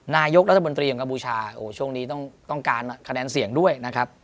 นายกรัฐมนตรีอย่างกัมพูชาโอ้โหช่วงนี้ต้องการคะแนนเสียงด้วยนะครับ